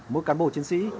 mỗi cán bộ chiến sĩ